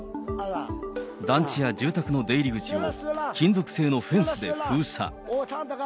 団地や住宅の出入り口を、金属製のフェンスで封鎖。